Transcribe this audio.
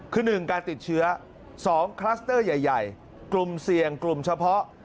คือ๑การติดเชื้อ๒คลัสเตอร์ใหญ่กลุ่มเสี่ยงกลุ่มเฉพาะ